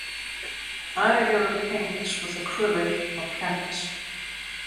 Niagara paints with acrylic on canvas.